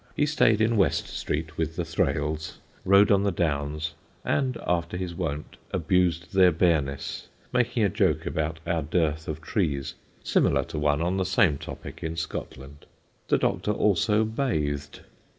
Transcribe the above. He stayed in West Street with the Thrales, rode on the Downs and, after his wont, abused their bareness, making a joke about our dearth of trees similar to one on the same topic in Scotland. The Doctor also bathed.